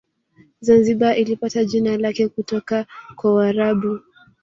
Zanzibar ilipata jina lake kutoka kwa waarabu